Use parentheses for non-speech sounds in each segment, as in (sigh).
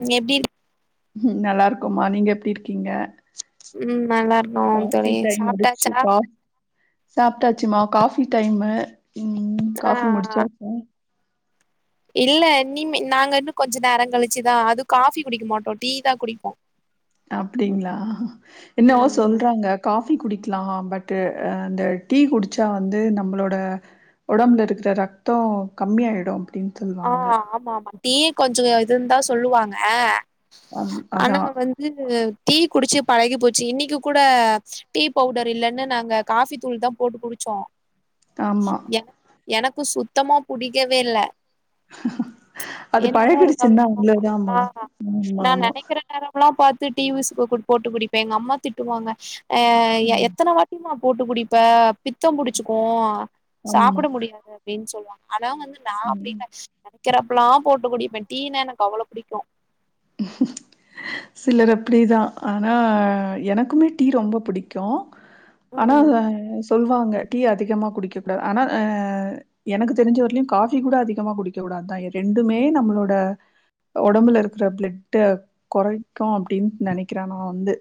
உம் எப்டி உம் நல்லா இருக்கோமா நீங்க எப்டி இருக்கீங்க உம் நல்லா இருக்கோம் காஃபி தோழி டைம் சாப்ட்டாச்சா சும்மா காஃபி டைமு உம் ஆ காஃபி முடிச்சாச்சா இல்ல இனிமே நாங்க இன்னு கொஞ்ச நேரங் கழிச்சுதா அது காஃபி குடிக்க மாட்டோ டீ தா குடிப்போ அப்டிங்ளா என்னவோ ம் சொல்றாங்க காஃப் ஃபி குடிக்லா பட்டு அ அந்த டீ குடிச்சா வந்து நம்மளோட உடம்புல இருக்கிற ரத்த கம்மியாய்டு ஆ ஆமா ஆமா டீயே கொஞ்சொ இதுன்தா சொல்லுவாங்க அம் ஆனா அதா வந்து டீ குடிச்சி பழகி போச்சி இன்னக்கி கூட டீ பவுடர் இல்லன்னு நாங்க காஃபி தூள்தா போட்டு குடிச்சோ ஆமா எனக் எனக் கு சுத்தமா புடிக்கவே இல்ல அது என்னதா இருந்தாலு பழகிடுச்சுன்னா அவ்ளோ தாம்மா ஆ ஆமா ஆமா டிவிஸ் போ குடுத் போட்டு குடிப்பே எங்க அம்மா திட்டுவாங்க அ எ ம், எத்தன வாட்டிமா போட்டு குடிப்ப பித்தம் புடிச்சிக்கு ஆமா சாப்புட முடியாது அப்டின் சொல்லுவாங் ஆனா வந் நா ம் நெனக்கிறப்பல்லா போட்டு குடுப்ப டீனா எனக்கு அவ்ளோ புடிக்கு சிலர் அப்டிதா ஆனா எனக்குமே டீ ரொம்ப புடிக்கு ஆனா ம் ஆ சொல்வாங்க டீ அதிகமா குடிக்கக் கூடாது ஆனா ஆஹ் எனக்கு தெரிஞ்ச வரையிலு காஃபி கூட அதிகமா குடிக்கக் கூடாதுதா ரெண்டுமே நம்மளோட ஒடம்புல இருக் குற ப்ளட்ட கொறைக்கு அப்டின் நெனக்கிற நா வந்து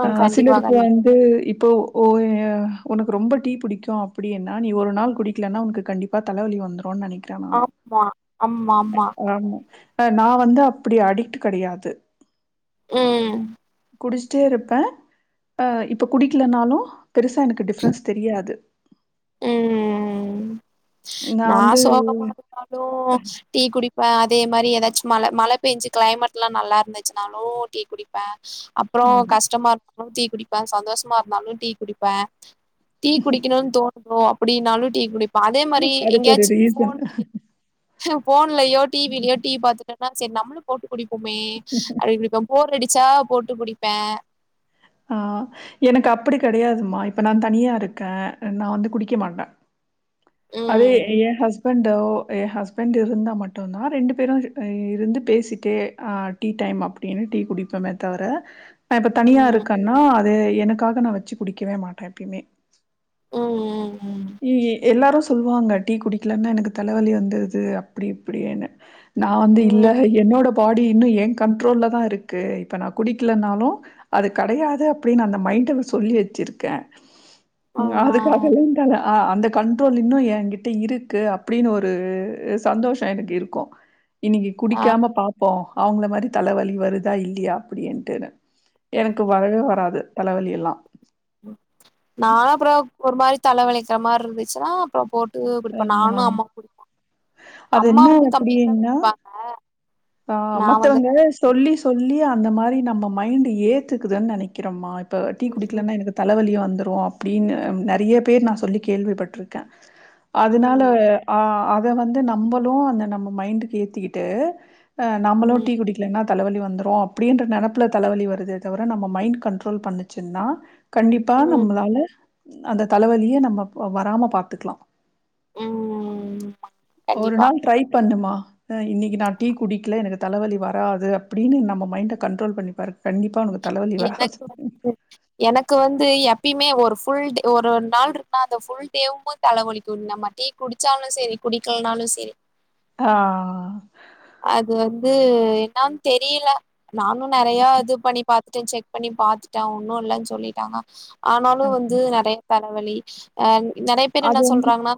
ஆ ஆஹ் கண்டிப்பா சிலருக்கு கண்டிப்பா வந்து இப்போ ஓயா ஒனக்கு ரொம்ப டீ புடிக்கு அப்டி என்னா நீ ஒரு நாள் குடிக்லன்ன ஒனக்கு கண்டிப்பா தலவலி வந்த்ருன் நெனக் ஆப்மா அம்மா ஆமா ஆமா. நா வந்து அப்டி அடிக்ட்டு கடையாது உம் குடிஷ்ட்டே இருப்ப அ இப்ப குடிக்கிலன்னாலு பெருசா எனக்கு டிஃப்ரென்ஸ் தெரியாது உம் நான் நா வந்து சோகமா இருந்தாலு டீ குடிப் இப்ப அதே மாரி ஏதாச்சு மழ மழ பேஞ்சி க்ளைமட்லா நல்லா இருந்துச்சுனாலு டீ குடிப்ப அப்பறோ ம் கஷ்டமா இ லு டீ குடிப்ப சந்தோஷமா இருந்தாலு டீ குடிப்ப டீ குடிக்கிணுன் தோ லோ அப்டின்னாலு டீ குடிப் ப்ப அதே மாரி அதுக்கு ஒரு எங்கேயாச்சு ரீசன் ஃபோன் (unintelligible) லயோ டிவிலியோ டீ பாத் (inaudible) சேரி நம்ளு போட்டு குடிப்பமே (unintelligible) போர் அடி ஸ்டா போட்டு குடிப்பேன ஆஹ் எனக்கு அப்படி கெடையாதுமா இப்ப நா தனியா இருக்கே நா வந்து குடிக்க மாட்டே அதே ம் ஏன் ஹஸ் ஹஸ்பண்டோ ஏ ஹஸ்பண்ட் இருந்தா மட்டும்தா ரெண்டு பேரும் இருந்து பேசிட்டே ஆ டீ டைம் அப்டின்னு டீ குடிப்போமே தவிர நா இப்ப தனியா ம் இருக்கன்னா து எனக்காக நா வெச்சு குடிக்கவே மாட்டே எப்பயுமே உஹம் உம் எல்லாரு சொல்லுவாங்க டீ குடிக்கலன்னா எனக்கு தலவலி வந்துருது அப்டி இப்டினு நான வந்து ம் இல்ல ம் என்னோட பாடி இன்னும் ஏன் கண்ட்ரோல்ல தா இருக்கு இப்ப நா குடிக்கலனாலு அது கடையாது அப்டின்னு அந்த மைண்டல சொல்லி வெச்சிருக்கே ஆ உம் அதுக்காகலா ஆ்அந்த கண்ட்ரோல் இன்னு என்கிட்ட இருக்கு அப்டின்னு ஒரு சந்தோஷோ எனக்கு இருக்கோ இன்னைக்கு ஆ குடிக்காம பாப்போ அவுங்கள மாரி தலவலி வருதா இல்லையா அப்டின்ட்டுனு எனக்கு ம் வரவே வராது தலைவலி எல்லா நானு அப்புறோ ஒரு மாரி தலவலிக்கிற மாரி இருந்துச்சுன்னா அப்புறோ போட் என்னா அது அம்மா என்னா வந்து கம்மியா தா அப்டின்னா குடிப்பாங்க ஆ நா வந்து மத்தவங்க சொல்லி சொல்லி அந்த மாரி நம்ம மைண்ட் ஏத்துக்குதுன் நெனைக்கிறமா இப்ப டீ ம் குடிக்கலன்னா எனக்கு தலவலியா வந்து ரு அப்டின்னு நெறைய பேர் நா சொல்லி கேள்விப்பட்ருக்க அதனால ம் ஆ அ அத வந்து நம்பளு அந்த நம்ம மைண்டுக்கு ஏத்திக்கிட்டு அ நம்மலு ம் டீ குடிக்லனா தலவலி வந்துரு அப்டின்ற நெனப்புல தலவலி வருதே தவிர நம்ம மைண்ட் கண்ட்ரோல் பண்ணுச்சுன்னா கண்டிப்பா ம் நம்மளால அந்த தலவலியே நம்ம ப வராம பாத்துக்லா ம் ஒரு கண்டிப்பா நாள் ட்ரை பண்ணுமா அ இன்னிக்கு நா டீ குடிக்ல எனக்கு தலவலி வராது அப்டின்னு நம்ம மைண்ட கண்ட்ரோல் பண்ணிப்பாரு கண்டிப்பா உனக்கு தலைவலி வராது. எனக்கு (inaudible) எனக்கு வந்து எப்பயுமே ஒரு ஃபுல் டே ஒரு நாள் இருப்ப அந்த ஃபுல் டேவும் தலவலிக்குங் நம்ம டீ குடிச்சாலு சேரி குடிக்லனாலு சேரி ஆ அது வந்து என்னனு தெரியல நானு நெறைய இது பண்ணி பாத் துட்ட செக் பண்ணி பாத்துட்ட ஒன்னு இல்லன் சொல்லிட்டாங்க ஆனாலு ஆமா. வந்து நெறைய தலவலி அங் நெறைய பேர் அது என்ன வந்து சொல்றாங்கனா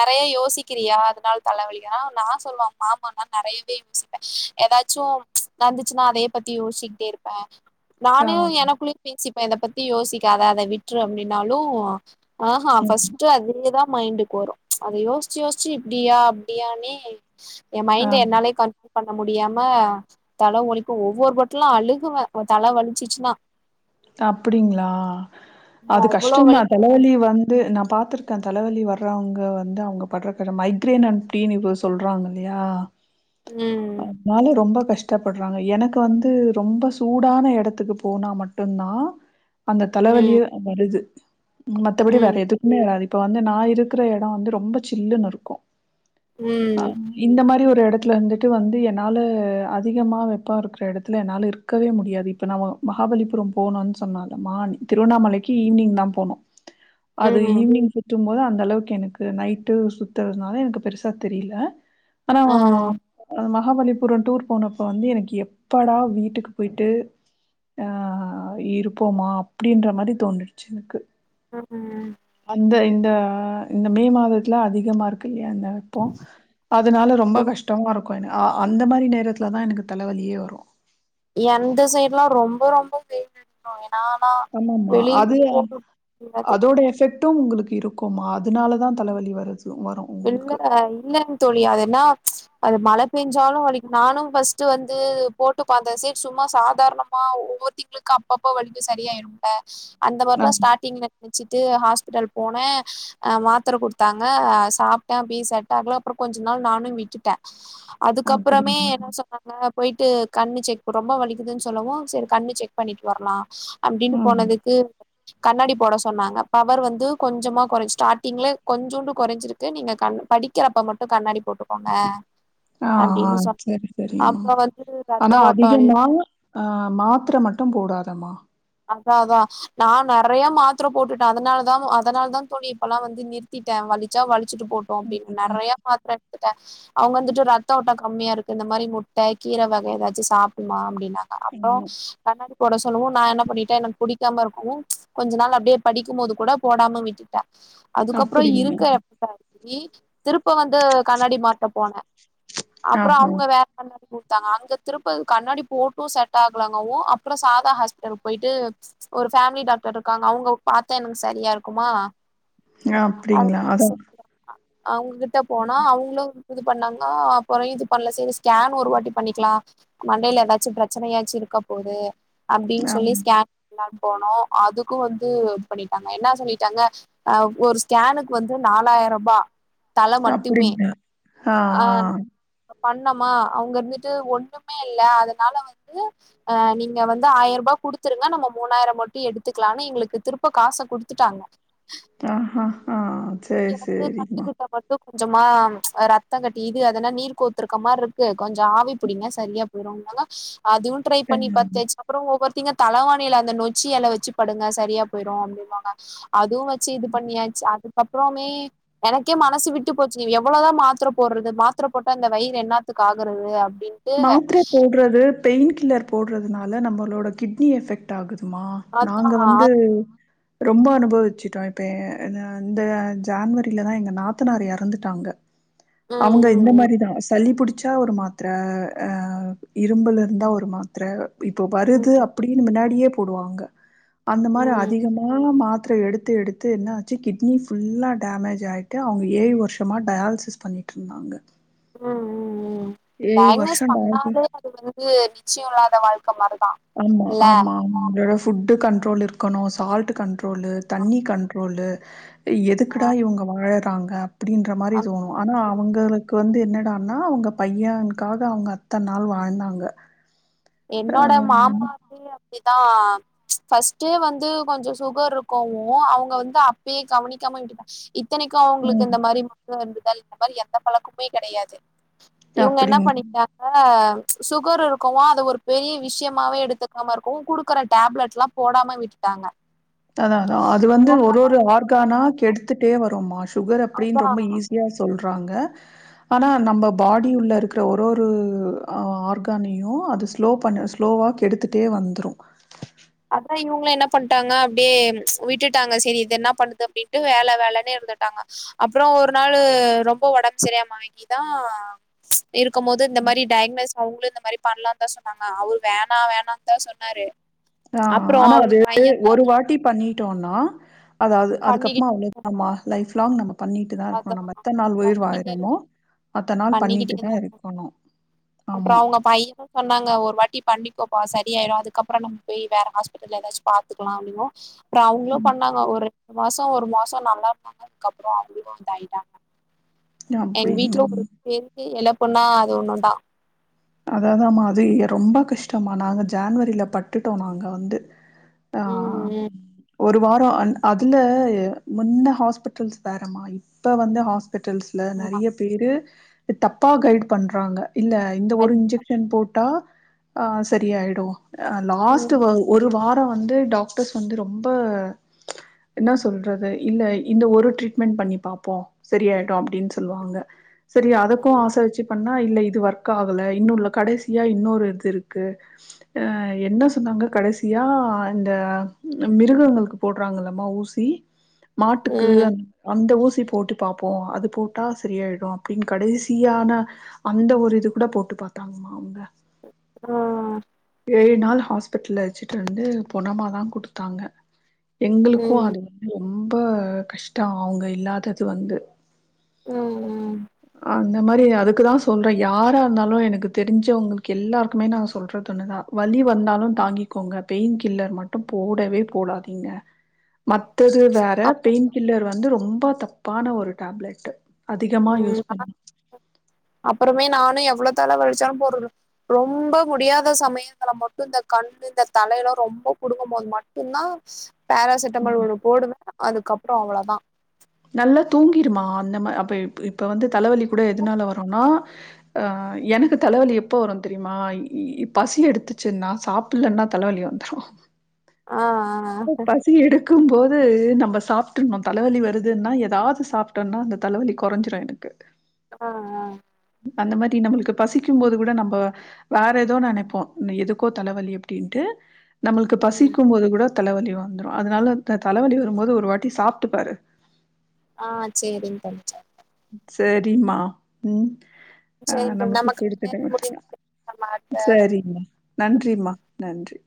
நெறைய யோசிக்றியா அதனால தலவலியா நா சொல்லுவ ஆமா நா நெறையவே யோசிப்ப ஏதாச்சு வந்துச்சுன்னா அத பத்தி யோசிச்சுகிட்டே இருப்ப ஆ நானு எனக்குள்ளயு பேசிப் இத பத்தி யோசிக்காத அத விட்று அப்படின்னாலு ஆஹ்ஹ ம் ஃபஸ்ட் அதுலதா மைண்டுக்கு வரு அத யோசிச்சு யோசிச்சுஇப்டியா அப்டியானே என் ஆ மைண்ட என்னாலே கன் பண்ண முடியாம தலவலிக்கு ஒவ்வொரு வாட்டலு அழுகுவ தல வலிச்சிச்சுனா அப்டிங்களா அது அவ்ளோ கஷ்டந்தா வலிக்கு தலவலி வந்து ந பாத்திருக்க தலவலி வர்றவங்க வந்து அவங்க பட்ற மைக்ரேன் அண்ட்டீனு இது சொல்றாங்கல்லயா ம் அதுனால ரொம்ப கஷ்டொ கஷ்டப்படுறாங்க எனக்கு வந்து ரொம்ப சூடான எடத்துக்கு போனா மட்டு டுந்தா அந்த ம் தலவலியே வருது மத்தபடி வேற ம் எதுக்குமே (unintelligible) இப்ப வந்து நா இருக்குற எடோ வந்து ரொம்ப சில்லுன்னு இருக்கு ஆ ம் இந்த மாரி ஒரு எடோ டத்துல ந்துட்டு வந்து என்னால அதிகமா வெப்போ இருக்குற எடத்துல என்னால இருக்கவே முடியாது இப்ப நா மகாபல்லிபுரோ போனுனு சொன்னாங் மார் திருவண்ணாமலைக்கி ஈவினிங் தா போனோ அது ம் ஈவ்னிங் சுத்தும் போ போது அந்த அளவுக்கு எனக்கு நைட்டு சுத்துறதுனால எனக்கு பெருசா தெரில ஆனா ஆ மகாபல்லிபுரோ டூர் போனோப்ப வந்து எனக்கு எப்படா வீட்டுக்கு போயிட்டு ஆ ஆ இருப்போமா அப்டின்ற மாரி தோனிருச்சி எனக்கு ம் அந்த இ ந்த இந்த மே மாதத்துல அதிகமாருக் கையால (unintelligible) அதனால ரொம்ப கஷ்டமாருக் (unintelligible) அந்த மாரி நேரத்துல தா எனக்கு தலவலியே வரு எந்த சைட்லா ரொம்ப ரொம்ப வெயில் (unintelligible) ஆமாமா வெளியவே அது போக முடியாது அதோட எஃபெக்ட் ட்டு உங்குளுக்கு இருக்குமா அதனால தா தலவலி வருது வரு இல்ல இல்லங் தோழி அது என்னா அது மழ பேஞ்சாலு வலி நானு பஸ்ட்டு‌ வந்து போட்டு பாத்தே சிஸ் சும்மா சாதாரணமா ஒவ்வொரு (unintelligible) அப்பப்ப வலி சரியாயிடுல அந்த மாரி அ தா ஸ்டாட்டிங்ல நெனச்சிட்டு ஹாஸ் பிட்டல் போன ஆ மாத்தர குடுத்தாங்க சாப்ட்ட பீர் செட் ஆகல அப்றோ கொஞ்ச நாள் நானு விட்டுட்ட அதுக்கப்புறமே அப்படிங்களா? என்ன சொன்னாங்க போயி்ட்டு கண்ணு செக் ரொம்ப வலிக்குதுன் சொல்லவோ சரி கண்ணு செக் பண்ணிட்டு வரலா அப்டின்னு ம். போனதுக்கு கண்ணாடி போட சொன்னாங்க பவர் வந்து கொஞ்சமா கொறஞ் ஸ்டார்ட்டிங்ல கொஞ்சோண்டு கொறஞ்சிருக் கு நீங்க கண் படிக்கிறப்ப மட்டு கண்ணாடி போட்டுக்கோங்க ஆ ஆ அப்டின்னு சொன் செரி செரிம்மா அப்ப வந்து ஆனா ரத்த ஓட்டோ அதிகமா ஆ மாத்திர மட்டும் போடாத் தம்மா அதா அதா நா நெறைய மாத்தர போட்டுட்ட‌ அதனால தா அதனாலதா தோழி இப்பல்லாம் வந்து நிறுத்திட்டேன் வலிச்சா வி சிட்டு போட்டோ ம், அப்டின்னு ம். நெறைய மாத்ர (unintelligible) அவங்க வந்துட்டு ரத்த ஓட்டாக் கம்மியா இருக்குன் இந்த மாரி முட்ட கீர வக ஏதாச்சு சாப்புட்லா அப்டின் சொன்னாங்க அப்றோ ஆமா. கண்ணாடிப் போட சொல்லவு நா என்னப் பண்ணிட்டா எனக்கு புடிக்காம இருக்கவு கொஞ்ச நாள் அப்டியே படிக்கும்போது கூட போடாம விட்டுட்டா அதுக்கப்றோ அப்படிங்க. இருக்கு அப்ப திருப்ப வந்து கண்ணாடி மாட்ட போன அப்றோ ஆமா. அவங்க வேற கண்ணாடி குடுத்தாங்க அங்க திருப்ப கண்ணாடி போட்டு செட் ஆகலங்கவு அப்றோ சாதா ஹாஸ்பிடல் போயிட்டு ஒரு ஃபேமிலி டாக்டர் இருக்காங்க அவுங்க பாத்தா எனக்கு சரியா இருக்குமா ஹ அப்டிங்களா அதனால சேரி (unintelligible) அவங்ககிட்ட போனா அவங்களும் இது பண்ணாங்க அப்பறோ இது பண்ணல சரி ஸ்கேன் ஒரு வாட்டி பண்ணிக்கலா மண்டயில ஏதாச்சும் பிரச்சனையாச்சு இருக்க போது ஆ. சொல்லி ஸ்கேன்லாம் போனோ அதுக்கு வந்து இது பண்ணிட்டாங்க என்ன சொல்லிட்டாங்க அஹ் ஒரு ஸ்கேனுக்கு வந்து நாலாய்ருபா தல மட்டுமே ஆஹ் ஆஹ் பண்ணமா அவங்க இருந்துட்டு ஒண்ணுமே இல்ல அதனால வந்து அஹ் நீங்க வந்து ஆயர்ருபா குடுத்துருங்க நம்ம மூணாயிர மட்டும் எடுத்துக்கலானு எங்களுக்கு திருப்ப காச குடுத்துட்டாங்க ஆஹ் ஹ ஹ செரி எனக்கு செரிம்மா கண்ணுக்கிட்ட மட்டு கொஞ்சமா ம்ச் ரத்த கட்டி இது அதென நீர் கோத்துருக்க மாரி இருக்கு கொஞ்சோ ஆவி புடிங்க சரியா போயிருதாங்க அதுவு ட்ரை பண்ணி அஹ் பாத்தாச்சி அப்றோ ஒவ்வொரு முக்கியமா தலவாணியில அந்த நொச்சி எல வச்சி படுங்க சரியா போயிடு அப்டின்னாங்க அ அதுவு வச்சு இது பண்ணியாச்சி அதுக் அப்றோமே எனக்கே மனசு விட்டு போச்சு நீ எவ்ளோதா மாத்திர போடுறது மாத்திர போட்ட அந்த வயிறு என்னாத்துக்கு ஆகுறது அப் மாத்திர போடுறது பெயின் கில்லர் போடுறதுனால நம்மளோட கிட்னி எஃபெக்ட் ஆகுது மா அதா நாங்க வந்து ரொம்போ அனுபவிச்சுட்டோ இப்ப அ அ அ இந்த ஜான்வரிலதா எங்க நாத்தனார் எறந்துட்டாங்க அவுங்க இந்த ம் மாரிதா சளிபுடி புச்ச ஒரு மாத்திர அ இரும்பல் வந்தா ஒரு மாத்திர இப்போ ம் வருது ம் அப்டின்னு மின்னாடியே போடுவாங்க அந்த மாரி ம் ம் அதிகமா மாத்திர எடுத்து எடுத்து என்னாச்சி கிட்னி ஃபுல்லா டேமேஜ் ஆயிட்டு அவுங்க ஏழு வருஷமா டயாலிசிஸ் பண்ணி டிருந்தாங்க ம் ம் ம் டயாலிஸ் வருஷம் டான்ஸ் பண்ணாலே அது வந்து இது நிச்சய இல்லாத வாழ்க்க மாரி ஆமா ஆமா ஆமா அதோட ஃபுட்டு கண்ட்ரோல் இருக்கணு சால்ட் கண்ட்ரோ ட்ரோலு தண்ணி கண்ட்ரோலு (inaudible) ஆ, எதுக்குடா இவுங்க வாழ பாங்கப் அப்டின்ற மாரி தோணு அப்படி- ஆனா அவுங்களுக்கு வந்து என் என்னடான்னா அவுங்க பையனுக்காக அவுங்க அத்தன் நாள் வாழ்ந்தாங்க என்னோட ஆஹ் மாமாக்கு இதா ஃபஸ்டே வந்து கொஞ்சோ சுகர் இருக்கவு அவுங்க வந்து அப்பேயே கவனிக்காம விட்டுடாச் இத்தனைக்கு அவுங்களுக்கு உம் இந்த மாரி மாற்றோ இருந்து இந்த மாரி எந்த பழக்குமே கெடையாது இவுங்க என்ன அப்படிங்க பண்ணிக்கிட்டாங்க சுகர் இருக்கவோ அது ஒரு பெரிய விஷியமாவே எடுத்துக்காம இருக்கவு குடுக்கற டேப்லெட் லா போடாம விட்டுட்டாங்க அதா அதா அது வந்து ஒரு ஓரமா ஒரு ஆர்கானா இருக்கவு கெடுத்துட்டே வருமா சுகர் அப்டின் அதா ரொம்ப ஈஸியா சொல்ற வாங்க ஆனா நம்ம பாடியுள்ள இருக்குற ஒரு ஒரு அ ஆர்கானையு அது ஸ்லோ பண்ணு ஸ்லோவா கெடுத்துடே வந்துரு அதா இவங்களு என்னா பண்டாங்க அப்டே விட்டுட்டாங்க சரி இது என்ன பண்ணுது அப்படின்ட்டு வேலை வேலைன்னே இருந்துட்டாங்க அப்புறம் ஒரு நாளு ரொம்ப ஒடம்பு சரியாம ஆகிதா இருக்கு போது இந்த மாதிரி டையக்னஸ் அவங்களு இந்த மாரி பண்ணலாதா சொன்னாங்க அவரு வேணா வேணான்னு தா சொன்னாரு ஆஹ் அப்றோ ஆனா அவுங்க அது பையன்தா ஒரு இரு வாட்டி பண்ணிட்டோனா அதாவ்து அது அதுக்கப்பறமா பண்ணிக்கிட் (inaudible) ம்மா லைஃப் லாங்நம்பர் பண்ணிட்டு தா இருக்கணு அதா நம எத்த நாள் பண்ணிக்கிட்டே உயிர்வாழறோமோ அத்த நாள் பண்ணிக்கிட்டே பண்ணிட்டுதா தா இருக்கணு அப்றோ ஆமா அவங்க பையனு சொன்னாங்க ஒரு வாட்டி பண்ணிக்கோப்பா சரியாயிரும் அதுக்கப்புறம் நம்ம போய் வேற ஹாஸ்பிட்டல் ஏதாச்சு பாத்துக்கலாம் அப்படினு அப்பற அவங்கலு ம். பண்ணாங்க ஒரு மாசம் ஒரு மாசம் நல்லா இருந்தாங்க அதுக்கப்பற விக்கா ஆயிட்டாங்க எங் வீட்ல அப்படிங்களா? ஒரு பெரிய எல பொண்ணா அது ஒண்ணுதா அதாதமா அது ரொம்ப கஷ்டமா நாங்க ஜான்வரில பட்டுட்டோ நாங்க வந்து ம் ஆஹ் ம் ஒரு வார அந் அதுல முன்ன ஹாஸ்பிட்டல்ஸ் வேறமா இப்ப வந்த ஹாஸ் ஹாஸ்பிட்டல்ஸ்ல ஆமா நெறைய பேரு தப்பா கைட் பண்றாங்க இல்ல இந்த ஒரு கண்- இன்ஜெக்ஷன் போட் டா ஆஹ் சரியாயிடு லாஸ்ட்டு ம் வவ் ஒரு வார் வந்து டாக்டர்ஸ் வந்து ரொம்ப என்ன சொல்றது இல்ல இந்த ஒரு ட்ரீட்மெண்ட் பண்ணி பாப்போ சரியாயிடு அப்டின்னு சொல்வாங்க சரி அதுக்கும் ம் ஆச வச்சு பண் ஆ இல்ல இது வர் ஓர்க்காகல இன்னு இல்ல கடசியா இன்னொரு இது இருக்கு அ என்ன சொன்னாங்க கடசியா இந்த மிருகங்களுக்கு போடுறாங்கல்லம்மா ஊசி மாட்டுக்கு ம் அந் அந்த ஊசி போட்டு பாப்போ அது போட்டா சரியாயிடு அப்டின்னு கடசியான அந்த ஒரு இது கூட போட்டு பாத்தாங்கம்மா அவங்க ம் ஏழு நாள் ஹாஸ்பிட்டல்ல வச்சுட்டு வந்து பொனமாதா குடுத்தாங்க எங்களுக்கும் ம் அது (unintelligible) ரொம்ப கஷ்ட அவங்க இல்லாதது வந்து ம் ம் அந்த மாரி அதுக்குதா சொல்றே யாரா இருந்தாலு எனக்கு தெரிஞ்சவுங்களுக்கு எல்லாருக்குமே நா சொல்ற தொண்ணுதா வலி வந்தாலு தாங்கிக்கோங்க பெயின் கில்லர் மட்டும் போடவே போடாதீங்க மத்தது வேற அப்- பெயின் கில்லர் வ ந்து ரொம்ப தப்பான ஒரு டேப்லெட்டு ம் அப்பறமே நா எவ்ளோ தல வலிச்சாலு போட்ரதில்ல ரொம்ப முடியாத சமயத்துல மட்டு இந்த கண்னு இந்த தலையெல்லா ரொம்ப புடுங்கம்போது மட்டுந்தா பேராசிட்டமால் ம். ஒண்ணு போடுவ அதுக்கப்பற அவ்ளதா நல்லா தூங்கிருமா அந்த மா அப்ப இப்ப வந்து தலவலி கூட எதுனால வரும்னா ஆ எனக்கு தலவலி எப்ப வரும் தெரியுமா இ பசி எடுத்துச்சுன்னா சாப்புடலன்னா தலவலி வந்துரு ஆ ப்ப ஆ பசி எடுக்கும் போ து நம்ம சாப்ட்டுன்னு தலவலி வருது துன்னா ஏதாவது சாப்புட்டன்னா அந்த தலவலி கொறஞ்சுரு எனக்கு ஆ ஆ அந்த மாரி நம்மளுக்கு பசிக்கும் போது கூட நம்ப வேற ஏதோ நினைப்போ எதுக்கோ தலவலி அப்டின்ட்டு நம்மளுக்கு ம் பசிக்கும் போது கூட தலவலி வந்துரு அதனால இந்த தலவலி வரும்போது ஒரு வாட்டி சாப்ட்டுப்பாரு ஆ சேரிங்க (unintelligible) சேரிமா ம் ஆ சேரிங் தோழி நமக்கு நமக்கான குடுத்த நேரம் டைம் முடிந்தது நம்ம அடுத்த சேரிம்மா நன்றிமா நன்றி